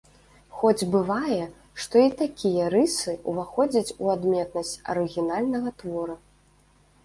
Хоць бывае, што і такія рысы ўваходзяць у адметнасць арыгінальнага твора.